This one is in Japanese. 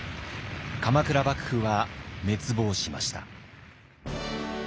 鎌倉幕府は滅亡しました。